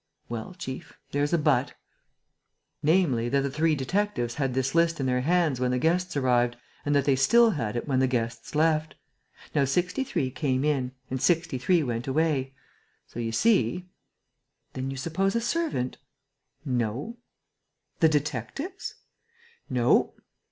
"Well, chief, there's a 'but,' namely, that the three detectives had this list in their hands when the guests arrived and that they still had it when the guests left. Now sixty three came in and sixty three went away. So you see...." "Then do you suppose a servant?..." "No." "The detectives?" "No."